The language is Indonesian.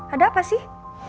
ada apa sih